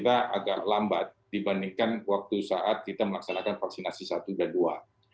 kita agak lambat dibandingkan waktu saat kita melaksanakan vaksinasi satu dan dua